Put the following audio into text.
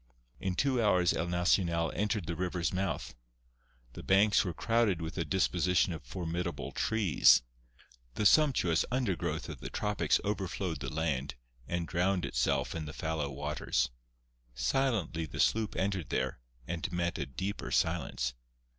In two hours El Nacional entered the river's mouth. The banks were crowded with a disposition of formidable trees. The sumptuous undergrowth of the tropics overflowed the land, and drowned itself in the fallow waters. Silently the sloop entered there, and met a deeper silence.